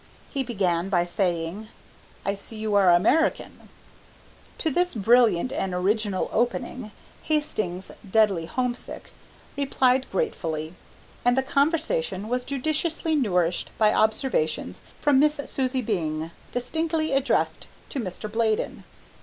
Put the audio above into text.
He began by saying, "I see you are American." To this brilliant and original opening, Hastings, deadly homesick, replied gratefully, and the conversation was judiciously nourished by observations from Miss Susie Byng distinctly addressed to Mr. Bladen.